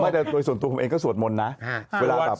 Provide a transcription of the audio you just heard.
แต่ส่วนตัวผมเองก็สวดมนต์นะ